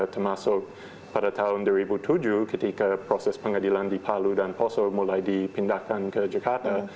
termasuk pada tahun dua ribu tujuh ketika proses pengadilan di palu dan poso mulai dipindahkan ke jakarta